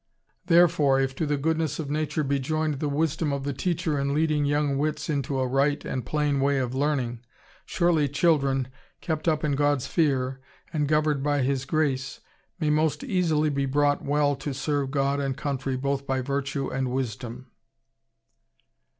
"Therefore if to the goodness of nature be joined the wisdom of the teacher in leading young wits into a right and plain way of learning, surely children, kept up in God's fear, and governed by His grace, may most easily be brought well to serve God and country both by virtue and wisdom."